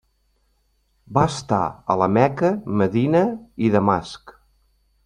Va estar a la Meca, Medina i Damasc.